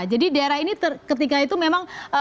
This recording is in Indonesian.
jadi daerah ini ketika itu memang